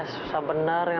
susah benar ya